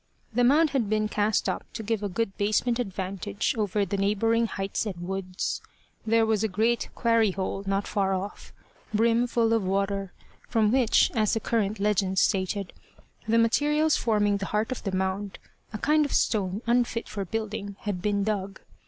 The mound had been cast up to give a good basement advantage over the neighbouring heights and woods. There was a great quarry hole not far off, brim full of water, from which, as the current legend stated, the materials forming the heart of the mound a kind of stone unfit for building had been dug.